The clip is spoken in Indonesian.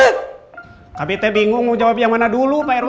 tapi teh bingung mau jawab yang mana dulu pak rw